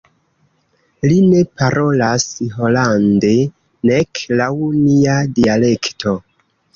Li ne parolas holande, nek laŭ nia dialekto.